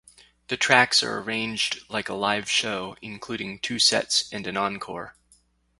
The tracks are arranged like a live show, including two sets and an encore.